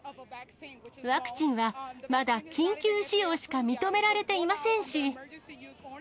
ワクチンはまだ緊急使用しか認められていませんし。